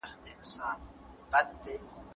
پښتانه جنګیالي په پاني پت کې په مېړانه وجنګېدل.